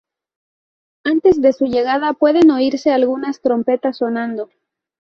Antes de su llegada pueden oírse algunas trompetas sonando.